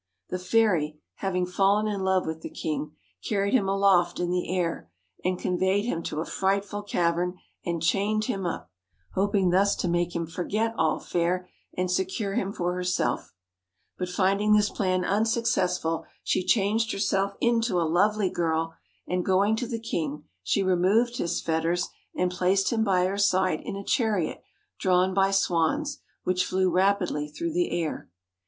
The fairy, having fallen in love with the king, carried him aloft in the air, and conveyed him to a frightful cavern, and chained him up ; hoping thus 103 THE to make him forget All fair, and secure him for herself. But finding this plan unsuccessful, she changed herself into a lovely girl, and going to the king she removed his fetters, and placed him by her side in a chariot drawn by swans, which flew rapidly through the air.